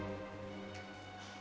aku selalu berubah